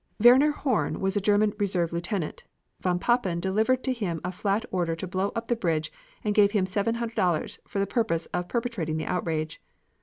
Werner Horn was a German reserve lieutenant. Von Papen delivered to him a flat order to blow up the bridge and he gave him $700 for the purpose of perpetrating the outrage.